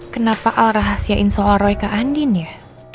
kenapa al rahasiain soal roy ke andin ya